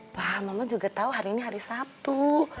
pa mama juga tau hari ini hari sabtu